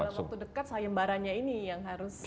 dan dalam waktu dekat sayembarannya ini yang harus di langsungkan ya